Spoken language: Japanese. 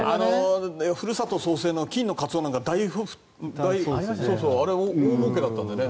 ふるさと創生の金のカツオなんかあれ、大もうけだったんだよね